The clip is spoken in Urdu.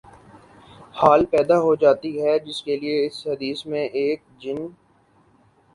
حال پیدا ہو جاتی ہے جس کے لیے اس حدیث میں ایک جن